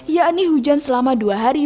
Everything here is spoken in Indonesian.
yakni hujan selama dua hari